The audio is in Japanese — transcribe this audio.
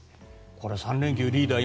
３連休、リーダー